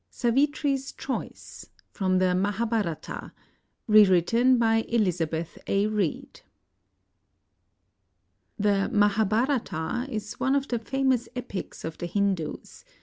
SAVITRI'S CHOICE FROM THE MAHABHARATA; REWRITTEN BY ELIZABETH A. REED [The "Mahabharata" is one of the famous epics of the Hindus.